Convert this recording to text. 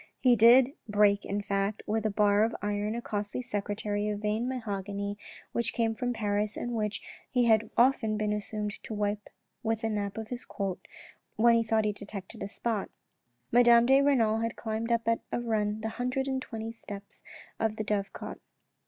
He did break in fact with a bar of iron a costly secretary of DIALOGUE WITH A MASTER 137 veined mahogany which came from Paris and which he had often been accustomed to wipe with the nap of his coat, when he thought he had detected a spot. Madame de Renal had climbed up at a run the hundred and twenty steps of the dovecot.